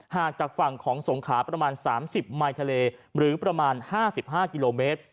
ห่างจากฝั่งของสงขาประมาณ๓๐ไมล์ทะเลหรือประมาณ๕๕กิโลเมตร